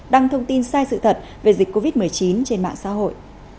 đăng thông tin sai sự thật về dịch covid một mươi chín trên mạng xã hội